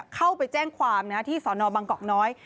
เข้าไปแจ้งความที่สนบังกอกน้อย